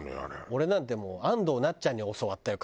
俺なんて安藤なっちゃんに教わったよ